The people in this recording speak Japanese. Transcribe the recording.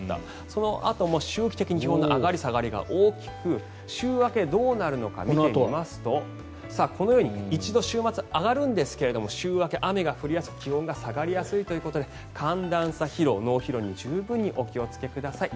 そのあとも周期的に気温の上がり下がりが大きく週明けどうなるのか見てみますとこのように一度週末上がるんですが週明け、雨が降りやすく気温が下がりやすいということで寒暖差疲労、脳疲労に十分にお気をつけください。